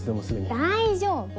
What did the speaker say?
大丈夫！